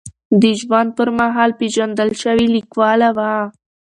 د ژوند پر مهال پېژندل شوې لیکواله وه.